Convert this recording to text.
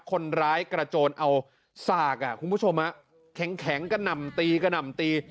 คนร้ายกระโจนเอาสากอ่ะคุณผู้ชมอ่ะแข็งแข็งกระนำตีกระนำตี